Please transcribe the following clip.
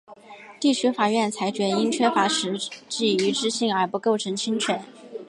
地区法院裁决因缺乏实际一致性而不构成侵权。